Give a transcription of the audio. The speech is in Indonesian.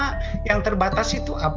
pertama yang terbatas itu apa